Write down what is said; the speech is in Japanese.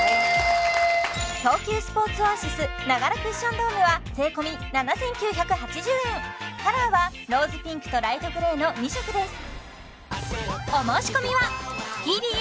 東急スポーツオアシスながらクッションＤＯＭＥは税込７９８０円カラーはローズピンクとライトグレーの２色です